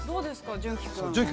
純喜君。